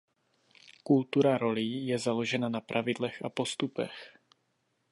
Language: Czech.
Kultura rolí je založena na pravidlech a postupech.